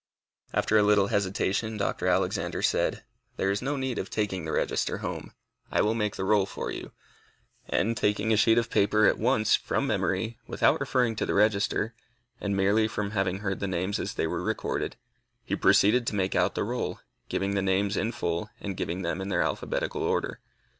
After a little hesitation, Dr. Alexander said, "There is no need of taking the register home; I will make the roll for you;" and, taking a sheet of paper, at once, from memory, without referring to the register, and merely from having heard the names as they were recorded, he proceeded to make out the roll, giving the names in full and giving them in their alphabetical order.